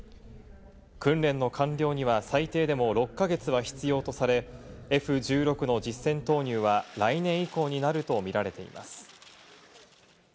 訓練の完了には最低でも６か月は必要とされ、Ｆ１６の実戦投入は来年以降になると見られています。